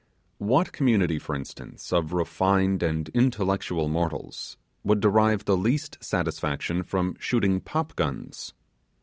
What community, for instance, of refined and intellectual mortals would derive the least satisfaction from shooting pop guns?